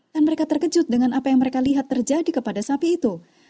dan mereka terkejut dengan apa yang mereka lihat terjadi kepada sapi itu